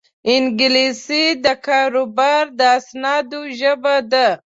انګلیسي د کاروبار د اسنادو ژبه ده